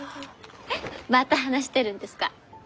また話してるんですか？